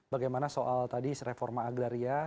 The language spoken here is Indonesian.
bagaimana soal tadi reforma agraria